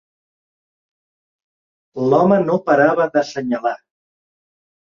L'home no parava d'assenyalar